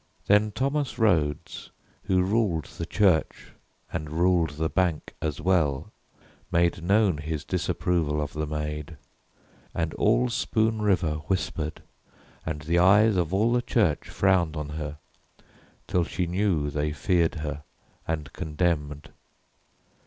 Then Thomas Rhodes, Who ruled the church and ruled the bank as well, Made known his disapproval of the maid; And all Spoon River whispered and the eyes Of all the church frowned on her, till she knew They feared her and condemned.